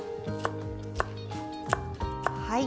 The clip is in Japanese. はい。